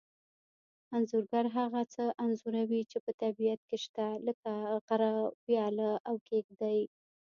انځورګر هغه څه انځوروي چې په طبیعت کې شته لکه غره ویاله او کېږدۍ